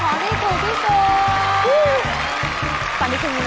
เป็นของดีสูงที่สุด